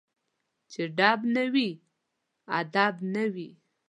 چي ډب نه وي ، ادب نه وي